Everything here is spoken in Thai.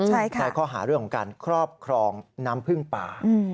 ในข้อหาร่วมการครอบครองน้ำพึ่งป่า